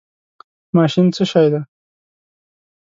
ماشین څه شی دی؟